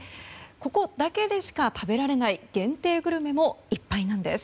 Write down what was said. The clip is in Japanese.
ここだけでしか食べられない限定グルメもいっぱいなんです。